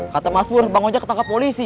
kata mas pur bang ojak ketangkap polisi